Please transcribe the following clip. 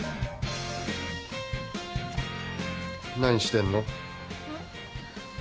何してんの？